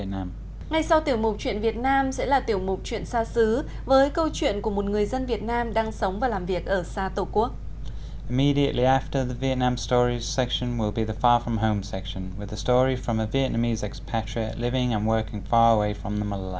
ngay sau tiểu mục chuyện việt nam sẽ là tiểu mục chuyện xa xứ với câu chuyện của một người dân việt nam đang sống và làm việc ở xa tổ quốc